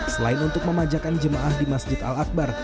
selain untuk memanjakan jemaah di masjid al akbar